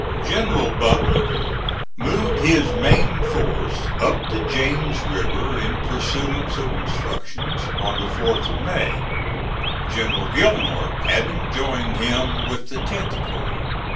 General Butler moved his main force up the James River, in pursuance of instructions, on the 4th of May, General Gillmore having joined him with the tenth corps.